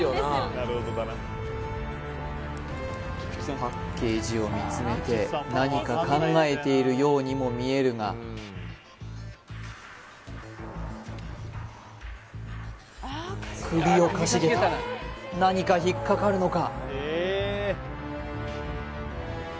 パッケージを見つめて何か考えているようにも見えるが首をかしげた何か引っかかるのか？